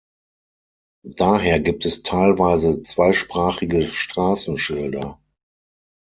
Daher gibt es teilweise zweisprachige Straßenschilder.